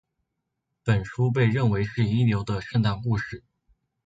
本书被认为是一流的圣诞故事。